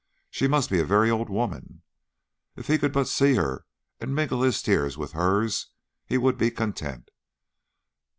She must be a very old woman. If he could but see her and mingle his tears with hers he would be content.